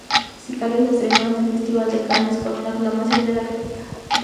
Sicario se estrenó en el Festival de Cannes con una aclamación de la crítica.